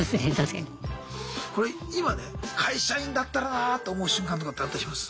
これ今ね会社員だったらなと思う瞬間とかってあったりします？